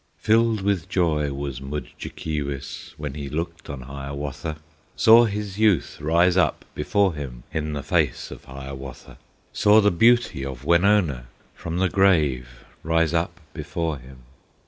Filled with joy was Mudjekeewis When he looked on Hiawatha, Saw his youth rise up before him In the face of Hiawatha, Saw the beauty of Wenonah From the grave rise up before him.